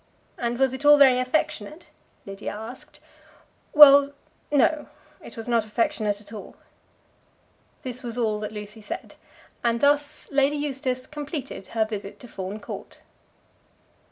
"And was it all very affectionate?" Lydia asked. "Well no; it was not affectionate at all." This was all that Lucy said, and thus Lady Eustace completed her visit to Fawn Court.